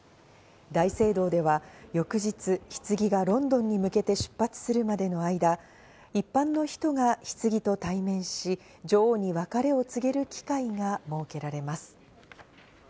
大聖堂では翌日、ひつぎがロンドンに向けて出発するまでの間、一般の人がひつぎと対面し、女王に別れを告げる機会が設けられます。